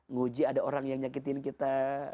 nguji ada orang yang nyakitin kita